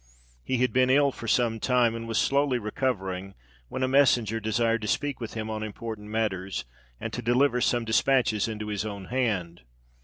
He had been ill for some time, and was slowly recovering, when a messenger desired to speak with him on important matters, and to deliver some despatches into his own hand.